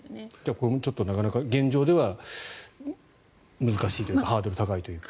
これも現状では難しいというかハードルが高いというか。